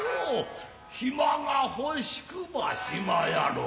暇がほしくば暇やろう。